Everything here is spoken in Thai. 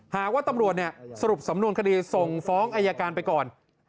หากว่าตำรวจสรุปสำนวนคดีส่งฟ้องอายการไปก่อน